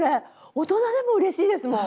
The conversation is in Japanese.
大人でもうれしいですもん。